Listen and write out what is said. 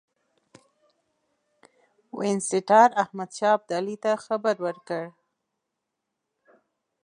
وینسیټار احمدشاه ابدالي ته خبر ورکړ.